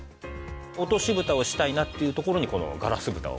落としぶたをしたいなっていうところにこのガラスぶたを。